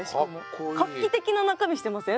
画期的な中身してません？